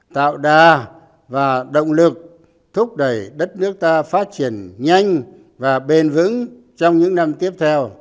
tạo đà và động lực thúc đẩy đất nước ta phát triển nhanh và bền vững trong những năm tiếp theo